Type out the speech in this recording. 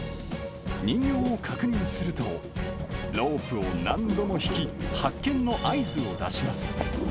人形を確認するとロープを何度も引き、発見の合図を出します。